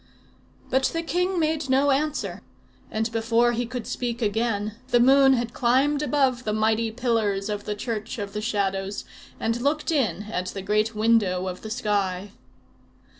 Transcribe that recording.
But the king made no answer; and before he could speak again, the moon had climbed above the mighty pillars of the church of the Shadows, and looked in at the great window of the sky.